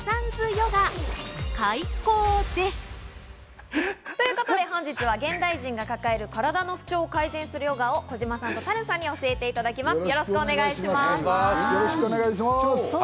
ヨガ、開講です。ということで本日は現代人が持つ体の不調を改善するヨガを児嶋さんとタルンさんに教えていただきます。